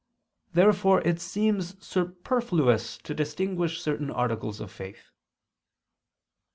Therefore it seems superfluous to distinguish certain articles of faith.